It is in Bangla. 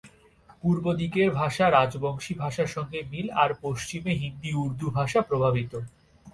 পূর্বদিকের ভাষা রাজবংশী ভাষার সঙ্গে মিল আর পশ্চিমে হিন্দি-উর্দু ভাষা প্রভাবিত।